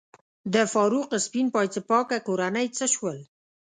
د فاروق سپین پایڅه پاکه کورنۍ څه شول؟